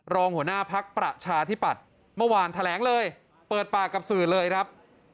รองหัวหน้าพักประชาธิปัตย์เมื่อวานแถลงเลยเปิดปากกับสื่อเลยครับ